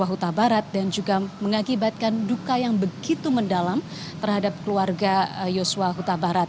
huta barat dan juga mengakibatkan duka yang begitu mendalam terhadap keluarga yosua huta barat